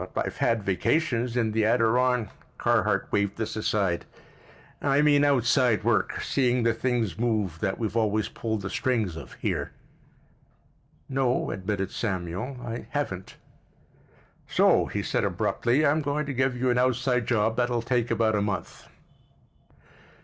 "But I've had vacations, in the Adiron——" Carhart waved this aside. "I mean outside work. Seeing the things move that we've always pulled the strings of here." "No," admitted Samuel; "I haven't." "So," he said abruptly "I'm going to give you an outside job that'll take about a month."